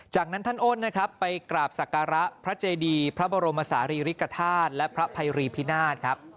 จากนั้นท่านอ้นนะครับไปกราบศักระพระเจดีพระบรมศาลีริกฐาตุและพระภัยรีพินาศครับ